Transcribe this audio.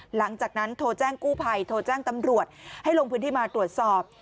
หลังจากนั้นโทรแจ้งกู้ภัยโทรแจ้งตำรวจให้ลงพื้นที่มาตรวจสอบ